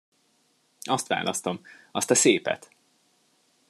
Azt választom, azt a szépet!